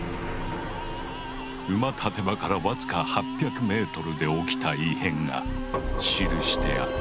馬立場からわずか８００ｍで起きた異変が記してある。